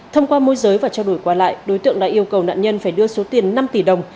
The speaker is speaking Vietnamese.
thông qua môi giới và trao đổi qua lại đối tượng đã yêu cầu nạn nhân phải đưa số tiền năm tỷ đồng